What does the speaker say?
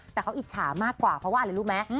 แต่เขาอิจฉามากกว่าเพราะว่าอะไรรู้ไหม